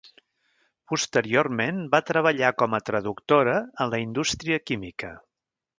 Posteriorment va treballar com a traductora en la indústria química.